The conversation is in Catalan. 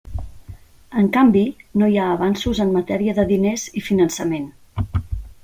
En canvi, no hi ha avanços en matèria de diners i finançament.